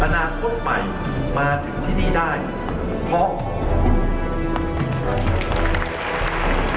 อนาคตใหม่มาถึงที่นี่ได้เพราะ